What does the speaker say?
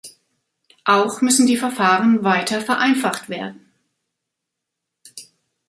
Auch müssen die Verfahren weiter vereinfacht werden.